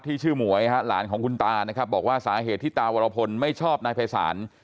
ชื่อหมวยฮะหลานของคุณตานะครับบอกว่าสาเหตุที่ตาวรพลไม่ชอบนายภัยศาล